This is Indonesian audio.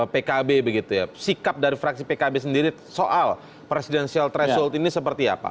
pkb begitu ya sikap dari fraksi pkb sendiri soal presidensial threshold ini seperti apa